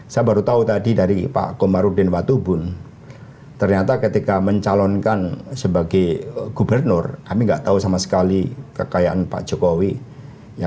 saya baru tahu tadi dari pak komarudin watubun ternyata ketika mencalonkan sebagai gubernur kami tidak tahu sama sekali kekuasaannya